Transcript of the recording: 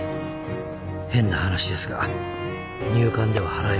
変な話ですが入管では払えません。